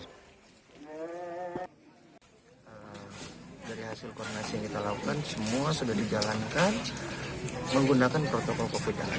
dari hasil koordinasi yang kita lakukan semua sudah dijalankan menggunakan protokol covid sembilan belas